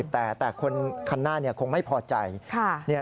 แต่คนคันหน้าคงไม่พอใจ